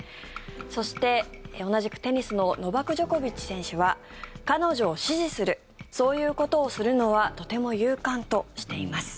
そして、同じくテニスのノバク・ジョコビッチ選手は彼女を支持するそういうことをするのはとても勇敢としています。